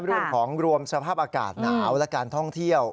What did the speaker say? รวมสภาพอากาศหนาวและการท่องเที่ยว